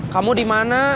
kamu di mana